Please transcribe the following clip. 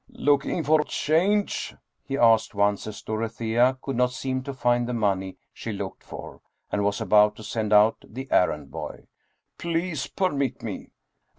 " Looking for change ?" he asked once, as Dorothea could not seem to find the money she looked for, and was about to send out the errand boy. " Please permit me."